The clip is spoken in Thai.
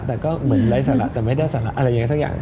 แต่ก็เหมือนไร้สาระแต่ไม่ได้สาระอะไรยังไงสักอย่าง